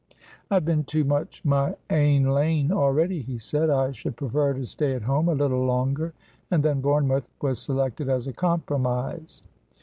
"I have been too much my ain lane already," he said; "I should prefer to stay at home a little longer," and then Bournemouth was selected as a compromise.